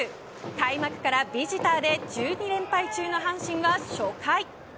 開幕からビジターで１２連敗中の阪神が初回。